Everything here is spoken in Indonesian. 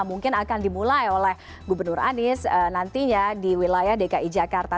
mungkin akan dimulai oleh gubernur anies nantinya di wilayah dki jakarta